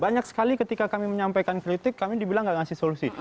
banyak sekali ketika kami menyampaikan kritik kami dibilang tidak ngasih solusi